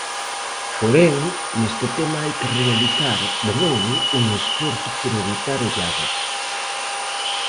Porén neste tema hai que realizar, de novo, un esforzo por evitar olladas.